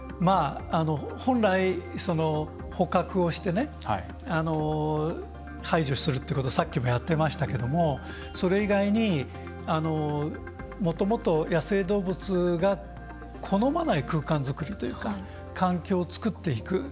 本来、捕獲をして排除するっていうことさっきもやってましたけれどもそれ以外に、もともと野生動物が好まない空間作りというか環境を作っていく。